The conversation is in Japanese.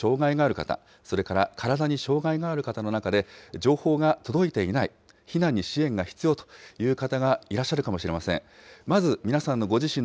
また視覚に障害がある方、聴覚に障害がある方、それから体に障害がある方の中で、情報が届いていない、避難に支援が必要という方がいらっしゃるかもしれません。